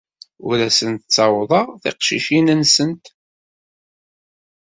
Ur asent-ttawḍeɣ tiqcicin-nsent.